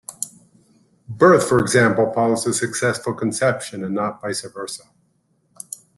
Birth, for example, follows a successful conception and not vice versa.